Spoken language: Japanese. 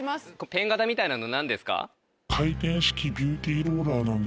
ペン型みたいなの何ですか？